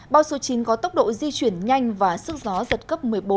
bão số chín có tốc độ di chuyển nhanh và sức gió giật cấp một mươi bốn